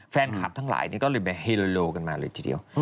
แฟนคลับทั้งหลายก็เลยไปเฮโลกันมาเลยทีเดียว